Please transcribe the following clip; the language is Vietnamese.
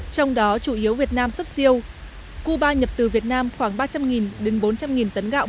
trong đó chủ yếu việt nam xuất siêu cuba nhập từ việt nam khoảng ba trăm linh đến bốn trăm linh tấn gạo